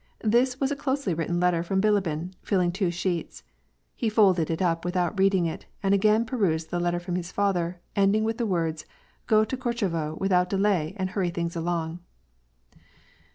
This was a closely written letter from Bilibin, filling two sheets. He folded it up without reading it, and again perused the letter from his father ending with the words :—" Gro to Kor chevo without delay and hurry things along."